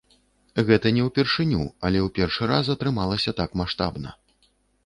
Гэта не ўпершыню, але ў першы раз атрымалася так маштабна.